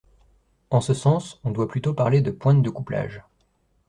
En ce sens, on doit plutôt parler de pointes de couplage.